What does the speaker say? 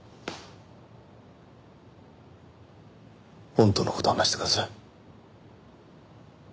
本当の事を話してください。